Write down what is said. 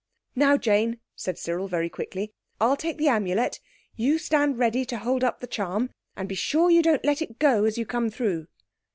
"Now, Jane," said Cyril, very quickly. "I'll take the Amulet, you stand ready to hold up the charm, and be sure you don't let it go as you come through."